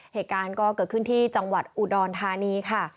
เหตุการณ์ก็เกิดขึ้นที่จังหวัดอุดรธานีค่ะ